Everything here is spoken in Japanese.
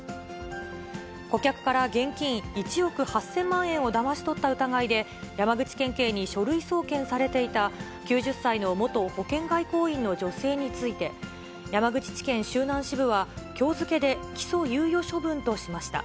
顧客から現金１億８０００万円をだまし取った疑いで、山口県警に書類送検されていた、９０歳の元保険外交員の女性について、山口地検周南支部は、きょう付けで起訴猶予処分としました。